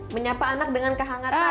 menyapa anak dengan kehangatan